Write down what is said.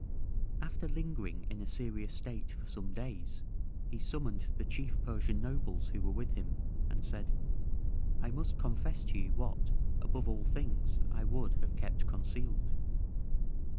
After lingering in a serious state for some days, he summoned the chief Persian nobles who were with him, and said: "I must confess to you what, above all things, I would have kept concealed.